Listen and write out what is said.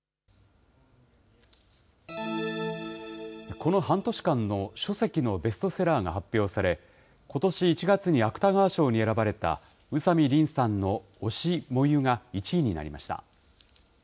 この半年間の書籍のベストセラーが発表され、ことし１月に芥川賞に選ばれた宇佐見りんさんの推し、燃ゆが１位になりました。